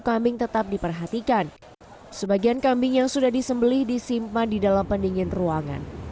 kambing tetap diperhatikan sebagian kambing yang sudah disembeli disimpan di dalam pendingin ruangan